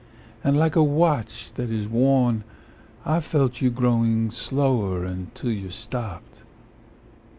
And like a watch that is worn I felt you growing slower until you stopped.